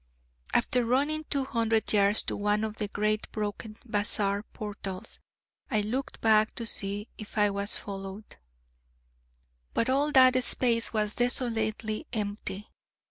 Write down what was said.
After running two hundred yards to one of the great broken bazaar portals, I looked back to see if I was followed: but all that space was desolately empty.